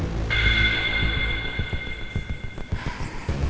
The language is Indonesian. aku tanyakan sama kamu dino